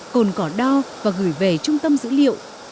cồn cỏ đo và gửi về trung tâm dữ liệu